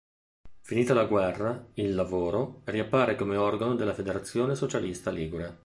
Finita la guerra "Il Lavoro" riappare come organo della federazione socialista ligure.